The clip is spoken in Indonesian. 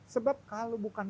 sebab kalau bukan